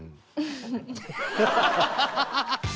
ハハハハ！